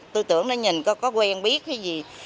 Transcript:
tôi tưởng nó nhìn có quen biết hay gì